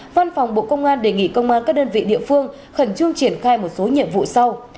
văn phòng bộ công an đề nghị công an các đơn vị địa phương khẩn trương triển khai một số nhiệm vụ sau